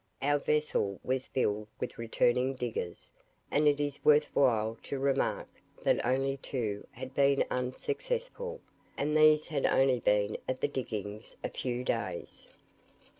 Our vessel was filled with returning diggers; and it is worth while to remark that only two had been unsuccessful, and these had only been at the diggings a few days.